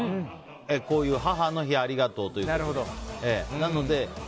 こういう母の日ありがとうということで。